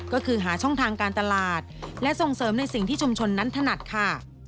ก็คือหาช่องทางการตลาดและส่งเสริมในสิ่งที่ชุมชนนั้นถนัดค่ะ